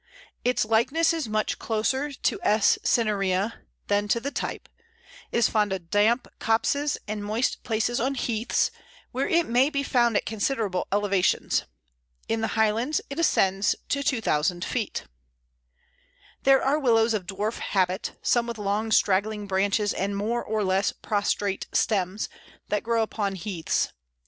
Its likeness is much closer to S. cinerea than to the type; it is fond of damp copses and moist places on heaths, where it may be found at considerable elevations. In the Highlands it ascends to 2000 feet. There are Willows of dwarf habit, some with long straggling branches and more or less prostrate stems, that grow upon heaths.